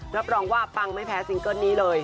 รับรองว่าปังไม่แพ้ซิงเกิ้ลนี้เลย